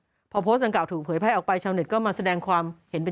เท่านั้นพอโพสต์อันการถูกเผยภายออกไปชาวเน็ตก็มาแสดงความเห็นเป็น